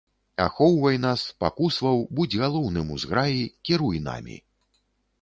Ахоўвай нас, пакусваў, будзь галоўным у зграі, кіруй намі.